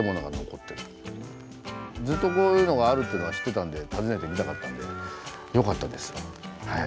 ずっとこういうのがあるってのは知ってたんで訪ねてみたかったんで良かったですはい。